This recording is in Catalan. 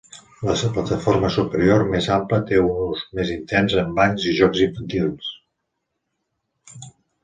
La plataforma superior, més ampla, té un ús més intens amb bancs i jocs infantils.